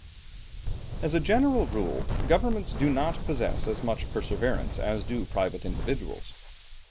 As a general rule governments do not possess as much perseverance as do private individuals.